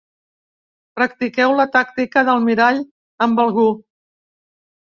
Practiqueu la tàctica del mirall amb algú.